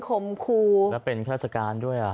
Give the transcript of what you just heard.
ขมครูและเป็นฆาตการด้วย